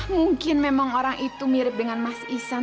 mungkin memang orang itu mirip dengan mas isan